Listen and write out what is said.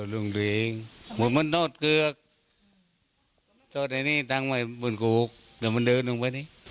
อะไรไปครับ